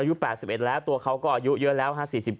อายุ๘๑แล้วตัวเขาก็อายุเยอะแล้ว